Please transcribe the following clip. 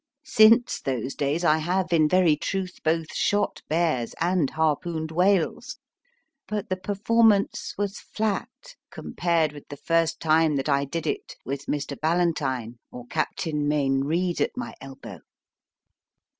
Since those days I have in very truth both shot bears and harpooned whales, but the performance was flat compared with the first time that I did it with Mr. Ballantyne or Captain Mayne Reid at my elbow.